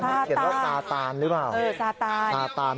เหมือนเขาเขียนว่าซาตานหรือเปล่าซาตาน